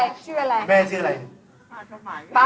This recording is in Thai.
อันนี้เตรียมตัว